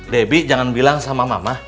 debbie jangan bilang sama mama